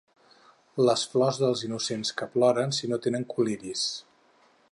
Les flors dels innocents que ploren si no tenen col·liris.